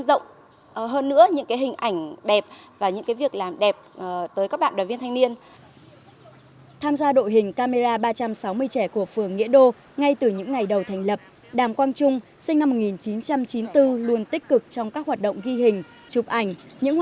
đoàn viên thanh niên trên cả nước nói chung